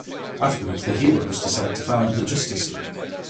Afterwards, the heroes decide to found the Justice League.